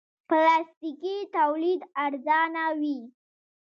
پلاستيکي تولید ارزانه وي.